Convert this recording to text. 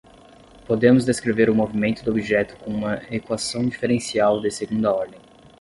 Podemos descrever o movimento do objeto com uma equação diferencial de segunda ordem.